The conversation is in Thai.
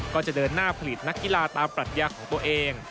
ก็จะเดินหน้าผลิตนักกีฬาตามปรัชญาของตัวเอง